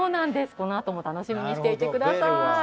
このあとも楽しみにしていてください